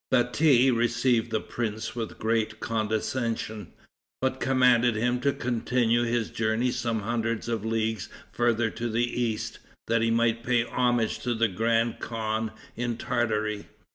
Bati received the prince with great condescension, but commanded him to continue his journey some hundreds of leagues further to the east, that he might pay homage to the grand khan in Tartary.